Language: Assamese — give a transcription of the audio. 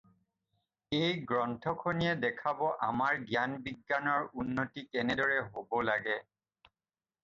এই গ্ৰন্থ খনিয়েই দেখাব আমাৰ জ্ঞান বিজ্ঞানৰ উন্নতি কেনে দৰে হ'ব লাগে